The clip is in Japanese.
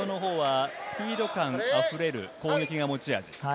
西藤はスピード感溢れる攻撃が持ち味。